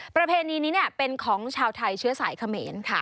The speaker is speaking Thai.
ประเพณีนี้เป็นของชาวไทยเชื้อสายเขมรค่ะ